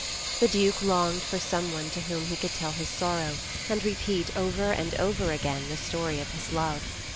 The Duke longed for someone to whom he could tell his sorrow, and repeat over and over again the story of his love.